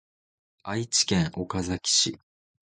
愛知県岡崎市